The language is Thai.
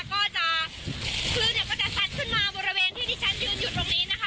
ก็จะคลื่นเนี่ยก็จะซัดขึ้นมาบริเวณที่ที่ฉันยืนอยู่ตรงนี้นะคะ